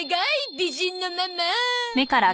美人のママ！